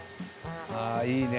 「ああいいね！